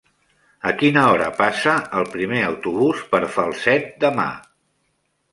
A quina hora passa el primer autobús per Falset demà?